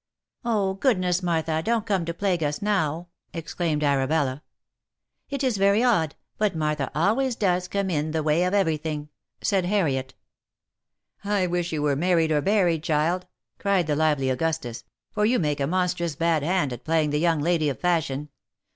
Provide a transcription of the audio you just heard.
" Oh ! goodness, Martha, don't come to plague us now !" exclaimed Arabella. " It is very odd, but Martha always does come in the way of every thing," said Harriet. OF MICHAEL ARMSTRONG. 75 " I wish you were married or buried, child !" cried the lively Augustus ; "for you make a monstrous bad hand at playing the young lady of fashion.